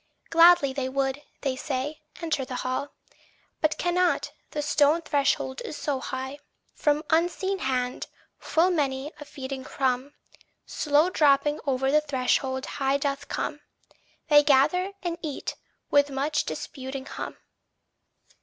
Gladly they would, they say, enter the hall, But cannot, the stone threshold is so high. From unseen hand, full many a feeding crumb, Slow dropping o'er the threshold high doth come: They gather and eat, with much disputing hum.